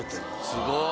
すごい。